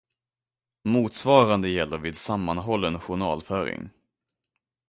Motsvarande gäller vid sammanhållen journalföring.